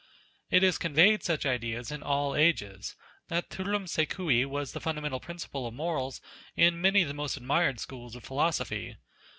It has conveyed such ideas in all ages. Naturam sequi was the fundamental principle of morals in many of the most admired schools of philosophy.